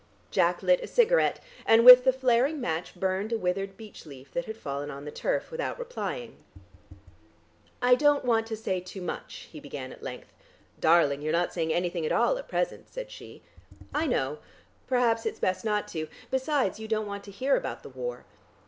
Jack lit a cigarette, and with the flaring match burned a withered beech leaf that had fallen on the turf without replying. "I don't want to say too much," he began at length. "Darling, you're not saying anything at all at present," said she. "I know. Perhaps it's best not to. Besides, you don't want to hear about the war."